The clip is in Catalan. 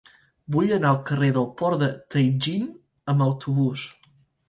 Vull anar al carrer del Port de Tianjin amb autobús.